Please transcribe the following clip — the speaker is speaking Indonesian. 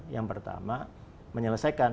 yang pertama menyelesaikan